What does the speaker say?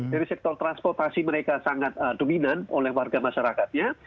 dari sektor transportasi mereka sangat dominan oleh warga masyarakatnya